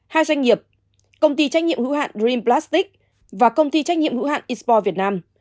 hai doanh nghiệp công ty trách nhiệm hữu hạn dream plastic và công ty trách nhiệm hữu hạn expo việt nam